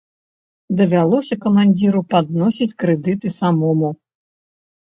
Давялося камандзіру падносіць крэдыты самому.